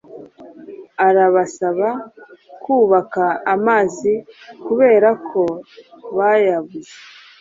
arabasaba kubaka amazi kuberako bayabuze